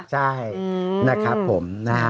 ใช่นะครับผม